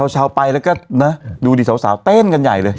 ชาวไปแล้วก็นะดูดิสาวเต้นกันใหญ่เลย